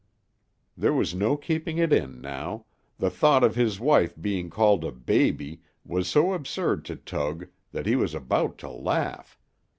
There was no keeping it in now; the thought of his wife being called a "baby" was so absurd to Tug that he was about to laugh.